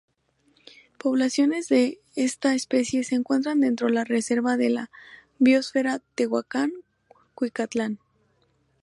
Poblaciones de esta especie se encuentran dentro de la Reserva de la biósfera Tehuacán-Cuicatlán.